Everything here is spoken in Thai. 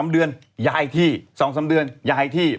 ๓เดือนย้ายที่๒๓เดือนย้ายที่